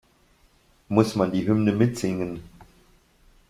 Muss man die Hymne mitsingen?